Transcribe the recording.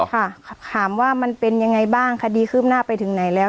ค่ะถามว่ามันเป็นยังไงบ้างคดีคืบหน้าไปถึงไหนแล้ว